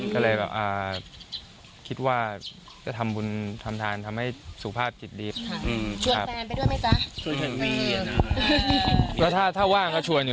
เพราะว่าคุยผลก่อนว่าภาพก็มีความทำบุญ